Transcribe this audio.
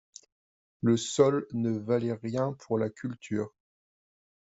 Le sol ne valait rien pour la culture.